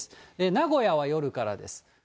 名古屋は夜からです。